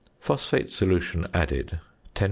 ~ "Phosphate" solution added 10.0 c.